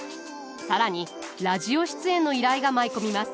更にラジオ出演の依頼が舞い込みます。